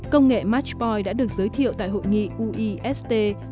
công nghệ matchpoint đã được giới thiệu tại hội nghị uist hai nghìn một mươi bảy